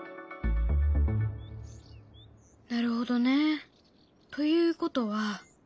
なるほどね。ということは。